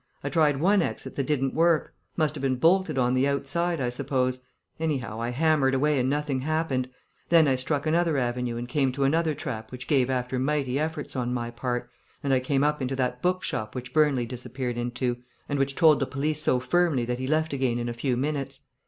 I tried one exit that didn't work; must have been bolted on the outside, I suppose. Anyhow, I hammered away and nothing happened. Then I struck another avenue and came to another trap which gave after mighty efforts on my part, and I came up into that book shop which Burnley disappeared into, and which told the police so firmly that he left again in a few minutes.